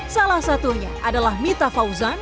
salah satunya adalah mita fauzan